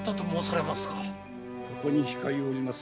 ここに控えおります